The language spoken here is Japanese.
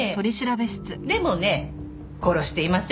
でもね殺していません。